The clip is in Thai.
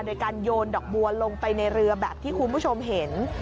โดยการโยนดอกบัวลงไปในเรือแบบที่คุณผู้ชมเห็น